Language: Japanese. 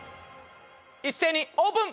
一斉にオープン！